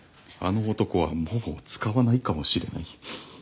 「あの男はもう使わないかもしれない」